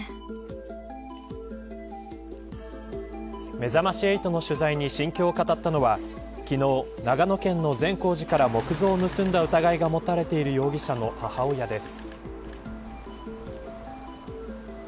めざまし８の取材に心境を語ったのは昨日、長野県の善光寺から木像を盗んだ疑いが持たれている容疑者の母親です。